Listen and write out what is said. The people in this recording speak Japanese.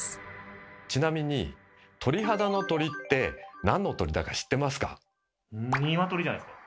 ちなみに鳥肌の鳥って何の鳥だか知ってますか？